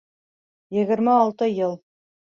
Егерме алты йыл!